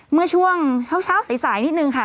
เมื่อช่วงเช้าสายนิดนึงค่ะ